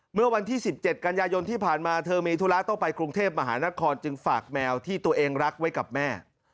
เมื่อวันที่๑๗กันยายนที่ผ่านมาเธอมีธุระต้องไปกรุงเทพมหานครจึงฝากแมวที่ตัวเองรักไว้กับแม่